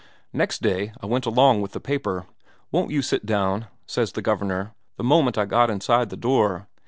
Next day I went along with the paper. 'Won't you sit down?' says the Governor, the moment I got inside the door.